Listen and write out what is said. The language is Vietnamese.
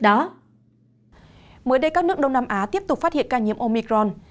mới đây các nước đông nam á tiếp tục phát hiện ca nhiễm omicron